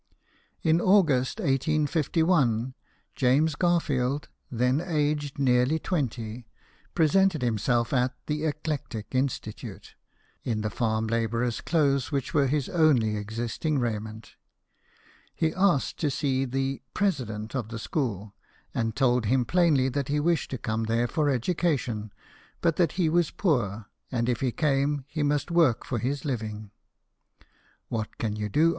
JAMES GARFIELD, CANAL BOY. 145 In August, 1851, James Garfield, then aged nearly twenty, presented himself at the ''Eclectic Institute," in the farm labourer's clothes which were his only existing raiment. He asked to sea the " president" of the school, and told him plainly that he wished to come there for educa tion, but that he was poor, and if he came, he must work for his living. " What can you do